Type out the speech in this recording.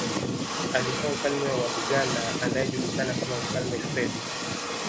Alikuwa Mfalme wa Buganda anayejulikana kama Mfalme Freddie